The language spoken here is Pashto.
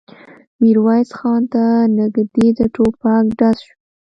ميرويس خان ته نږدې د ټوپک ډز شو.